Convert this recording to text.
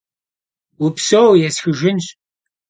Vupseu, yêsxıjjınş.